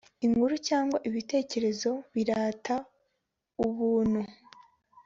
inkuru cyangwa ibitekerezo birata ubuntu